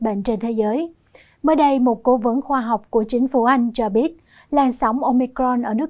bệnh trên thế giới mới đây một cố vấn khoa học của chính phủ anh cho biết làn sóng omicron ở nước